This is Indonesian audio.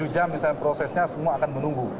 tujuh jam misalnya prosesnya semua akan menunggu